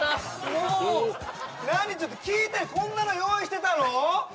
もう何ちょっと聞いてこんなの用意してたの？